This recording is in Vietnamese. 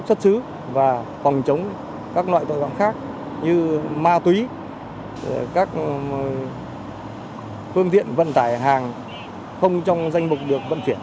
xuất xứ và phòng chống các loại tội phạm khác như ma túy các phương tiện vận tải hàng không trong danh mục được vận chuyển